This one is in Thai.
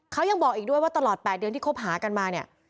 เขายังบอกอีกด้วยว่าตลอด๘เดือนที่คบหากันมาเนี่ย